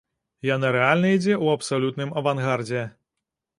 Яна рэальна ідзе ў абсалютным авангардзе.